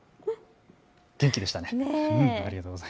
元気でしたね。